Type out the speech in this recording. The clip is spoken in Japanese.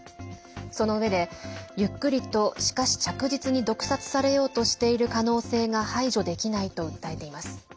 そのうえでゆっくりと、しかし着実に毒殺されようとしている可能性が排除できないと訴えています。